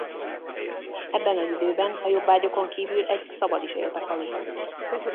Ebben az időben a jobbágyokon kívül egy szabad is élt a faluban.